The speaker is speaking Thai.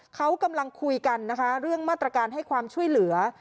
เขากำลังคุยกันนะคะเรื่องมาตรการให้ความช่วยเหลือ